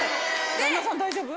旦那さん大丈夫？